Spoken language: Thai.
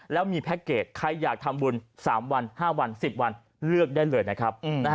แล้วมีแพ็คเกจใครอยากทำบุญ๓วัน๕วัน๑๐วันเลือกได้เลยนะครับ